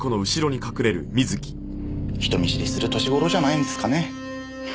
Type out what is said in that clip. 人見知りする年頃じゃないんですかね。